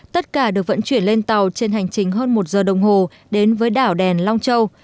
tất cả được vận chuyển lên tàu trên hành trình hơn một giờ đồng hồ đến với đảo đèn long châu